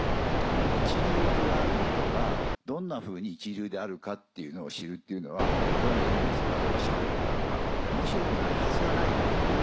一流ブランドがどんなふうに一流であるかっていうのを知るっていうのはこれもうエルメスだろうがシャネルだろうが面白くないはずがないんで。